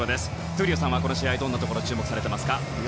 闘莉王さんはこの試合どんなところに注目されていますか。